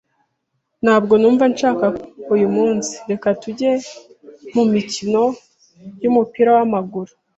Ntabwo numva nshaka kwiga uyu munsi. Reka tujye mumikino yumupira wamaguru.